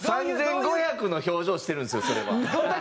３５００の表情してるんですよ